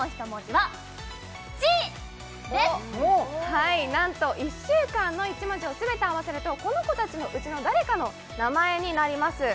はい何と１週間の１文字を全て合わせるとこの子達のうちの誰かの名前になります